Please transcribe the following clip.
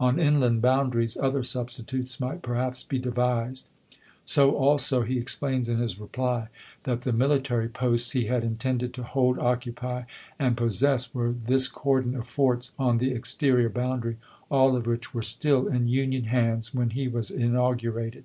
On inland boundaries other substitutes might perhaps be devised. So, also, he explains in his reply, that the mil itary posts he had intended to " hold, occupy, and possess " were this cordon of forts on the exterior boundary, all of which were still in Union hands when he was inaugurated.